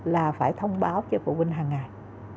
là phải thông báo cho phụ huynh hàng ngày